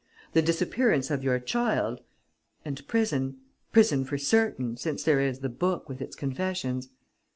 "The disappearance of your child ... and prison: prison for certain, since there is the book with its confessions.